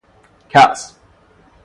کأس